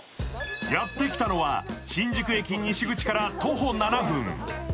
やってきたのは新宿駅西口から徒歩７分。